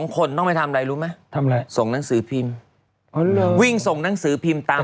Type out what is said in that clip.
คนต้องไปทำอะไรรู้ไหมส่งหนังสือพิมพ์วิ่งส่งหนังสือพิมพ์ตาม